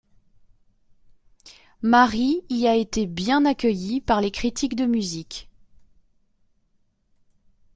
Mary y a été bien accueillie par les critiques de musique.